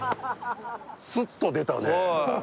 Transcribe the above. スッと出たね